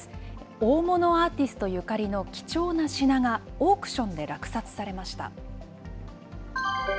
大物アーティストゆかりの貴重な品が、オークションで落札されました。